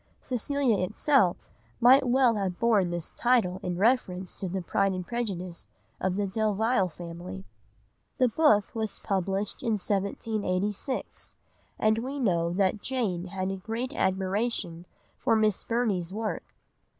Cecilia itself might well have borne this title in reference to the pride and prejudice of the Delvile family. The book was published in 1786, and we know that Jane had a great admiration for Miss Burney's work.